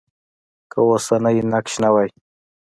که اوسنی نقش نه وای.